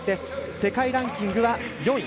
世界ランキングは４位。